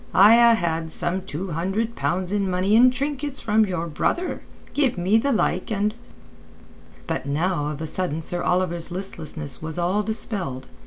I ha' had some two hundred pounds in money and trinkets from your brother. Give me the like and...." But now of a sudden Sir Oliver's listlessness was all dispelled.